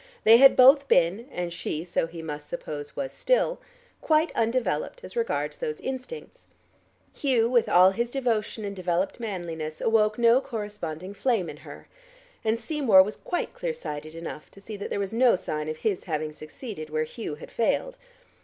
They had both been, and she so he must suppose was still, quite undeveloped as regards those instincts. Hugh with all his devotion and developed manliness awoke no corresponding flame in her, and Seymour was quite clear sighted enough to see that there was no sign of his having succeeded where Hugh had failed.